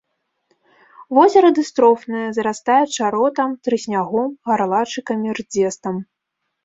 Возера дыстрофнае, зарастае чаротам, трыснягом, гарлачыкамі, рдзестам.